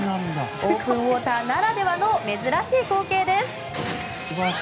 オープンウォーターならではの珍しい光景です。